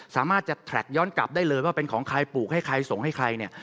สามารถจะแทรกย้อนกลับได้เลยว่าเป็นของใครปลูกให้ใครส่งให้ใครเนี่ย